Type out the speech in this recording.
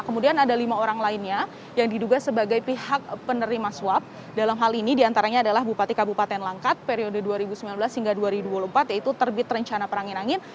kemudian ada lima orang lainnya yang diduga sebagai pihak penerima suap dalam hal ini diantaranya adalah bupati kabupaten langkat periode dua ribu sembilan belas hingga dua ribu dua puluh empat yaitu terbit rencana perangin angin